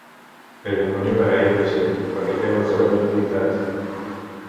Però no n’hi haurà gaire, de gent, perquè té un aforament limitat.